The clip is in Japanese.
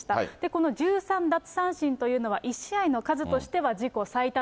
この１３奪三振というのは１試合の数としては自己最多